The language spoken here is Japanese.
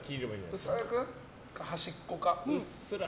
端っこから？